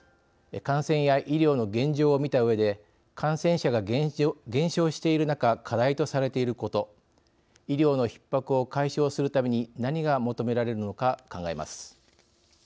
感染や医療の現状を見たうえで感染者が減少している中課題とされていること医療のひっ迫を解消するために何が求められるのか考えます。